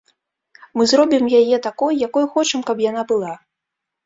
Мы зробім яе такой, якой хочам, каб яна была.